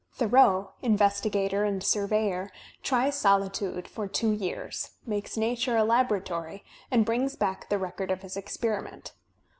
Thoreau, investigator and surveyor, tries soUtude for two years, makes nature a laboratory, and brings back the record of his experiment.